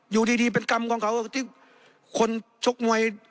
อยู่ดีเป็นกรรมของเขาที่คนชกมวย